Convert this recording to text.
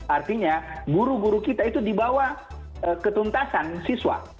artinya guru guru kita itu di bawah ketuntasan siswa